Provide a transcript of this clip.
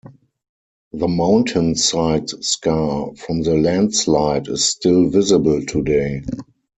The mountainside scar from the landslide is still visible today.